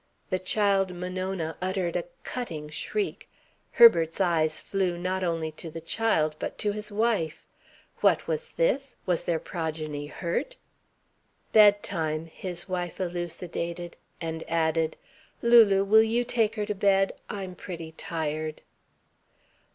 The child Monona uttered a cutting shriek. Herbert's eyes flew not only to the child but to his wife. What was this, was their progeny hurt? "Bedtime," his wife elucidated, and added: "Lulu, will you take her to bed? I'm pretty tired."